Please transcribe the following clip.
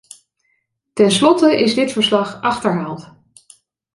Ten slotte is dit verslag achterhaald.